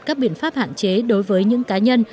các biện pháp hạn chế đối với những cá nhân